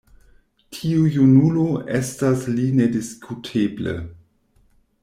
Tiu junulo estas li nediskuteble.